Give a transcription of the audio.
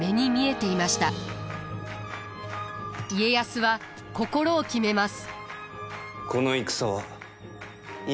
家康は心を決めます。